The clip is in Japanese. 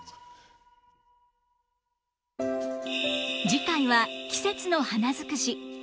次回は季節の花尽くし。